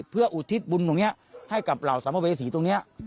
เพื่ออุทิศบุญตรงนี้ให้กับเหล่าสัมภเวษีตรงนี้